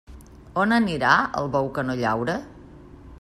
On anirà el bou que no llaure?